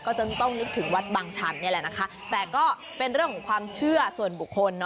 ก็จะต้องนึกถึงวัดบางชันนี่แหละนะคะแต่ก็เป็นเรื่องของความเชื่อส่วนบุคคล